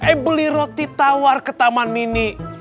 eh beli roti tawar ke taman mini